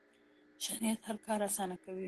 ښه نیت هر کار اسانه کوي.